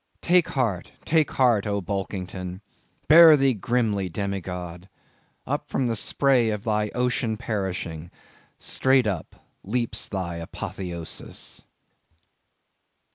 Take heart, take heart, O Bulkington! Bear thee grimly, demigod! Up from the spray of thy ocean perishing—straight up, leaps thy apotheosis!